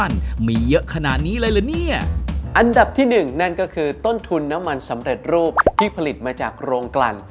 อันดับที่หนึ่งนั่นก็คือต้นทุนน้ำมันสำเร็จรูปที่ผลิตมาจากโรงกลั่น